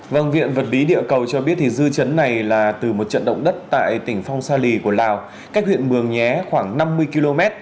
vâng viện vật lý địa cầu cho biết thì dư chấn này là từ một trận động đất tại tỉnh phong sa lì của lào cách huyện mường nhé khoảng năm mươi km